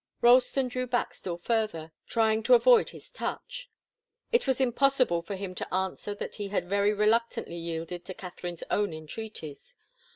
Ralston drew back still further, trying to avoid his touch. It was utterly impossible for him to answer that he had very reluctantly yielded to Katharine's own entreaties.